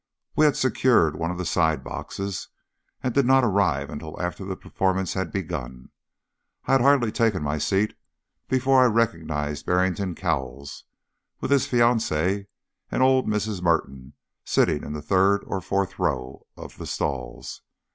We had secured one of the side boxes, and did not arrive until after the performance had begun. I had hardly taken my seat before I recognised Barrington Cowles, with his fiancee and old Mrs. Merton, sitting in the third or fourth row of the stalls.